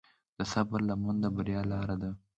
د صبر لمن د بریا لاره ده.